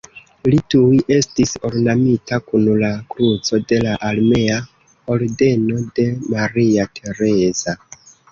Li tuj estis ornamita kun la Kruco de la Armea ordeno de Maria Tereza.